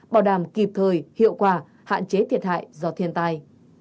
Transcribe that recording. bảo đảm kịp thời hiệu quả hạn chế thiệt hại do thiên tai